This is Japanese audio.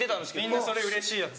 みんなそれうれしいやつ。